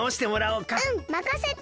うんまかせて。